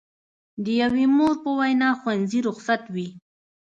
د یوې مور په وینا ښوونځي رخصت وي.